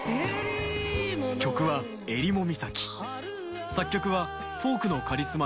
曲は作曲はフォークのカリスマ